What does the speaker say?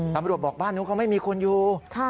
ตำรวจบอกบ้านนู้นเขาไม่มีคนอยู่